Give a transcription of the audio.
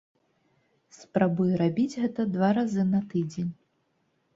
Спрабую рабіць гэта два разы на тыдзень.